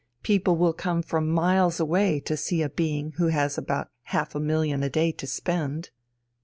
People will come from miles away to see a being who has about half a million a day to spend!"